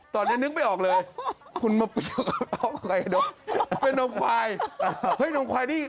ตอนนี้นึกไม่ออกเลยคุณมาเปรียบกับเป็นนมควายเฮ้ยนมควายนี่